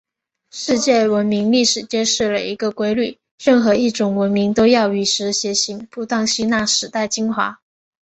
世界文明历史揭示了一个规律：任何一种文明都要与时偕行，不断吸纳时代精华。